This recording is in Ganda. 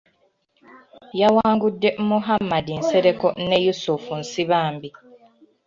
Yawangudde Muhammad Nsereko ne Yusufu Nsibambi.